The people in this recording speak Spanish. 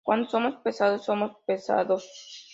Cuando somos pesados, somos pesados.